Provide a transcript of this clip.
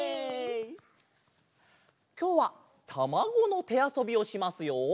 きょうはたまごのてあそびをしますよ。